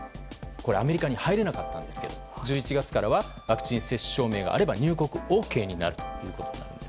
アメリカに入れなかったんですけど１１月からはワクチン接種証明があれば入国ＯＫになるということです。